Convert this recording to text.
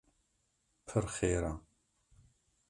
pir xêr e